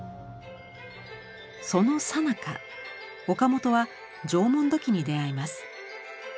そのさなか岡本は縄文土器に出会います。